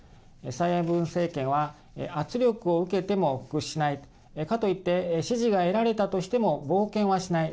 蔡英文政権は圧力を受けても屈しないかといって支持が得られたとしても冒険はしない。